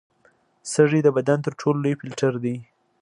سږي د بدن تر ټولو لوی فلټر دي.